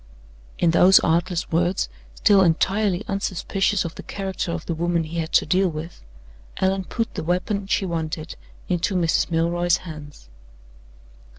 In those artless words, still entirely unsuspicious of the character of the woman he had to deal with, Allan put the weapon she wanted into Mrs. Milroy's hands.